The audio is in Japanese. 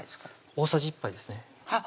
大さじ１杯ですねあっ